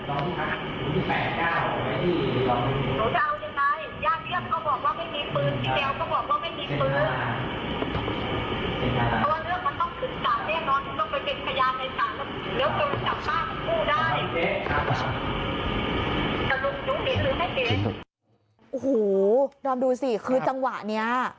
โอ้โหดอมดูสิคือจังหวะนี้